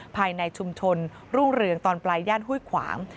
ภายในชุมชนรุ่งเรืองตอนปลายย่านห้วยขวาง